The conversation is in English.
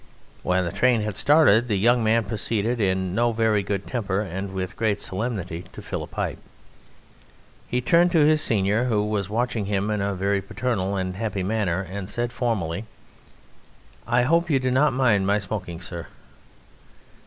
When the train had started the young man proceeded in no very good temper and with great solemnity to fill a pipe. He turned to his senior, who was watching him in a very paternal and happy manner, and said formally: "I hope you do not mind my smoking, sir?"